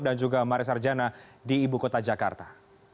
dan juga maris arjana di ibu kota jakarta